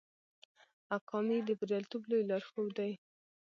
اکامي د بریالیتوب لوی لارښود دی.